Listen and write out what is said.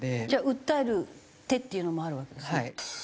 じゃあ訴える手っていうのもあるわけですね。